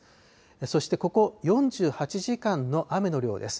そしてここ４８時間の雨の量です。